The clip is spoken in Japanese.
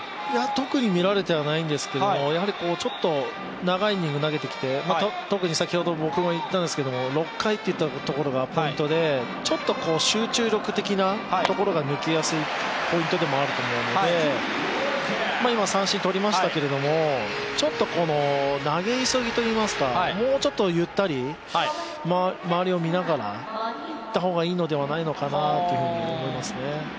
特に見られてはいないんですけど、長いイニング投げてきて、特に６回といったところがポイントでちょっと集中力的なところが抜きやすいポイントでもあると思うので、今、三振取りましたけれどもちょっと投げ急ぎといいますかもうちょっとゆったり、周りを見ながらいった方がいいのではないかなと思いますね。